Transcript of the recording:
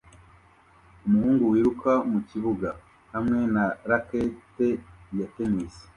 Umuhungu wiruka mukibuga hamwe na racket ya tennis